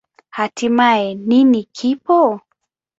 Hatimaye, nini kipo?